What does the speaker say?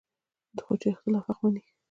خو چې د اختلاف حق مني